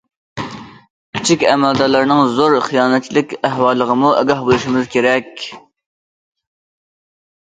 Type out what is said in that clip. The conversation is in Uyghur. « كىچىك ئەمەلدارلارنىڭ زور خىيانەتچىلىك» ئەھۋالىغىمۇ ئاگاھ بولۇشىمىز كېرەك.